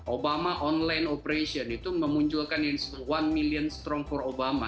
obama online operation itu memunculkan yang disebut one million strong for obama